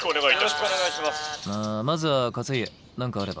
まずは勝家何かあれば。